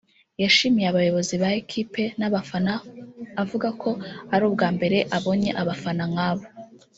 yashimiye abayobozi b’ikipe n’abafana avuga ko ari ubwa mbere abonye abafana nk’abo